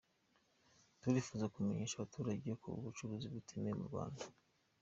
Turifuza kumenyesha abaturage ko ubu bucuruzi butemewe mu Rwanda.”